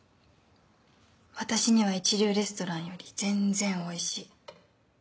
私には一流レストランより全然おいしい。